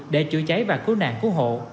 để chữa cháy và cứu nạn cứu hộ